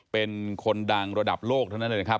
เป็นคนดังระดับโลกเท่านั้นเลยนะครับ